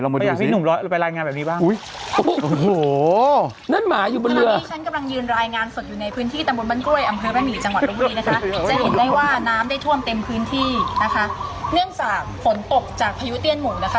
เต็มพื้นที่นะคะเนื่องจากฝนตกจากพยุเตี้ยนหมูนะคะ